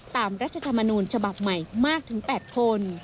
รัฐธรรมนูญฉบับใหม่มากถึง๘คน